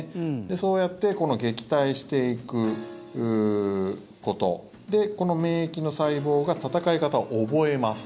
そうやって撃退していくことでこの免疫の細胞が戦い方を覚えます。